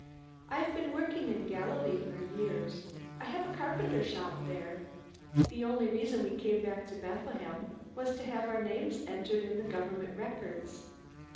I've been working in Galilee for years. I have a carpenter shop there. The only reason we came back to Bethlehem was to have our names entered in the government records.